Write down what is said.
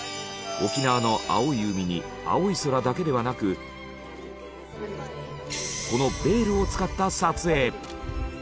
沖縄の青い海に青い空だけではなくこのベールを使った撮影。